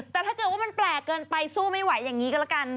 แต่ถ้าเกิดว่ามันแปลกเกินไปสู้ไม่ไหวอย่างนี้ก็แล้วกัน